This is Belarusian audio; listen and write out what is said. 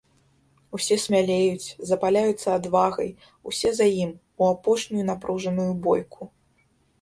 Усе смялеюць, запаляюцца адвагай, усе за ім, у апошнюю напружаную бойку.